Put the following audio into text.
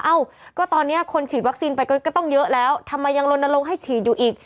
เอ้าก็ตอนนี้คนฉีดวัคซีนไปก็ต้องเยอะแล้วทำไมยังลนลงให้ฉีดอยู่อีก